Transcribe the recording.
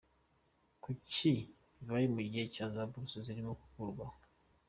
Kuki bibaye mu gihe za bourses zirimo gukurwaho?